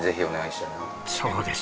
そうです。